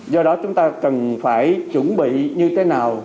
do đó chúng ta cần phải chuẩn bị như thế nào